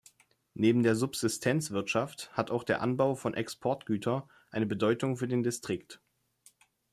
Neben der Subsistenzwirtschaft hat auch der Anbau von Exportgüter eine Bedeutung für den Distrikt.